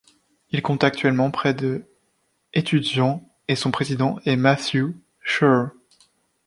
Il compte actuellement près de étudiants et son président est Matthew Schure.